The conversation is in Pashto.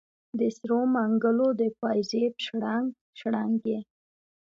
د سرو منګولو د پایزیب شرنګ، شرنګ یې